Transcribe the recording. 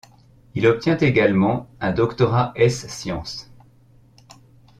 Il obtient également un Doctorat ès science.